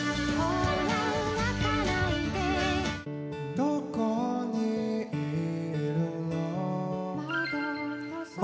「どこにいるの？」